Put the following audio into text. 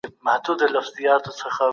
تاسي ولي دونه تلوار کوئ؟